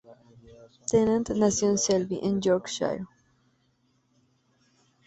Tennant nació en Selby, en Yorkshire.